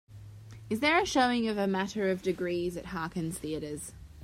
Is there a showing of A Matter of Degrees at Harkins Theatres